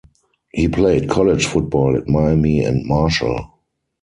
He played college football at Miami and Marshall.